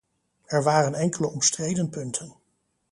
Er waren enkele omstreden punten.